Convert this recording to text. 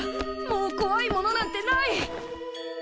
もうこわいものなんてない！